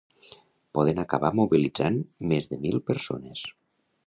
poden acabar mobilitzant més de mil persones